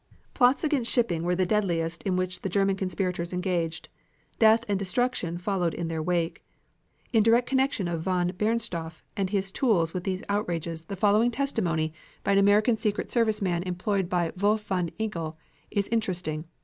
Plots against shipping were the deadliest in which the German conspirators engaged. Death and destruction followed in their wake. In direct connection of von Bernstorff and his tools with these outrages the following testimony by an American secret service man employed by Wolf von Igel is interesting.